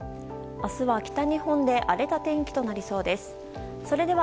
明日は北日本で荒れた天気となりそうです。